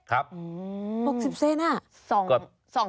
ครับ๖๐เซนติเมตรน่ะ